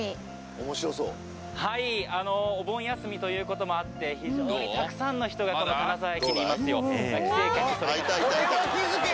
はい！お盆休みということもあって非常にたくさんの人がこの金沢駅にいますよ。いたいたいた。